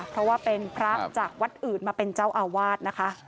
เพราะว่าเป็นพระจากวัดอื่นมาเป็นเจ้าอาวาสนะคะ